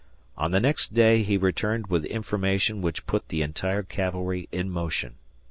On the next day he returned with information which put the entire cavalry in motion.